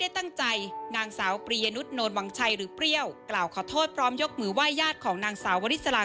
ติดตามหาคำตอบเรื่องนี้จากรายงานครับ